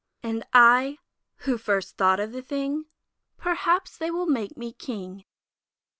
And I, who first thought of the thing, Perhaps they will make me King?